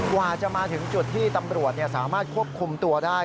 กว่าจะมาถึงจุดที่ตำรวจสามารถควบคุมตัวได้